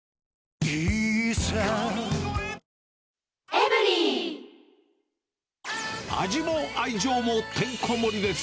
え．．．味も愛情もてんこ盛りです！